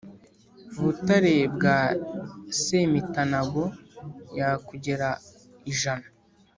butare bwa semitanago yakugera ijana.